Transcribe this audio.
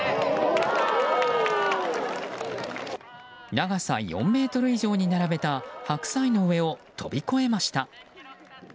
長さ４ｍ以上に並べた白菜の上を飛び越えました。